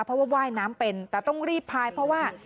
เพราะว่าว่ายน้ำเป็นแต่ต้องรีบพายเพราะว่า